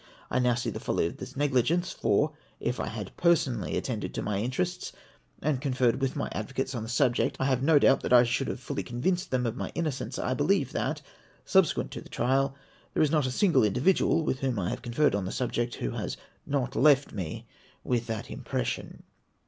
I now see the folly of this negligence ; for if I had personally attended to my interests, and conferred with my advocates on the sub ject, I have no doubt that I should have fully convinced them of my innocence. I believe that, subsequent to the trial, there is not a single individual with whom I have conferred on the subject who has not left me with that impression.